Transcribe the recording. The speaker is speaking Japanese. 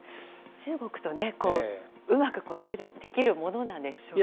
中国とね、うまく対じできるものなんでしょうか。